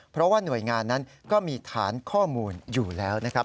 เพราะว่าหน่วยงานนั้นก็มีฐานข้อมูลอยู่แล้วนะครับ